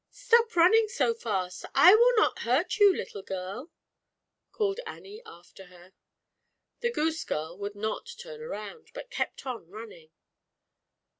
"Stop running so fast, I will not hurt you little girl," Annie called after her. The goose girl would not turn around, but kept on running.